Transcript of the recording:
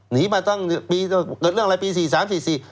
หนีมาตั้งปีเกิดเรื่องอะไรปี๔๓๔